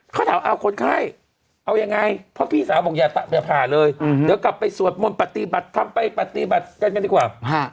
เขาถามเอาคนไข้เอายังไงเพราะพี่สาวบอกอย่าผ่าเลยเดี๋ยวกลับไปสวดมนต์ปฏิบัติทำไปปฏิบัติกันกันดีกว่า